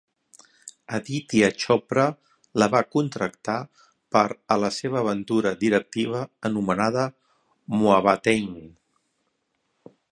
Aditya Chopra la va contractar per a la seva aventura directiva anomenada "Mohabbatein".